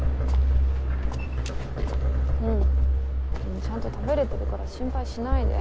ちゃんと食べられてるから心配しないで。